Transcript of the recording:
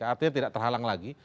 artinya tidak terhalang lagi